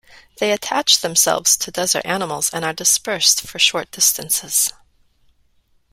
They attach themselves to desert animals and are dispersed for short distances.